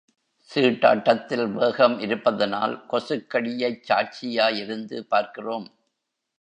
சீட்டாட்டத்தில் வேகம் இருப்பதனால் கொசுக் கடியைச் சாட்சியாயிருந்து பார்க்கிறோம்.